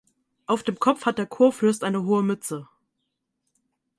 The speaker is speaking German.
Auf dem Kopf hat der Kurfürst eine hohe Mütze.